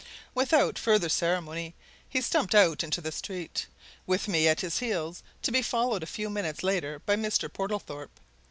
Without further ceremony he stumped out into the street, with me at his heels, to be followed a few minutes later by Mr. Portlethorpe.